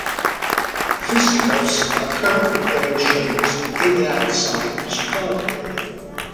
The Fisticuffs are currently playing shows in and outside the Chicago area.